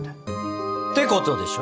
てことでしょ？